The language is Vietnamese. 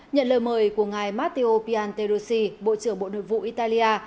nhận lời mời của ngài matteo pianterosi bộ trưởng bộ nội vụ italia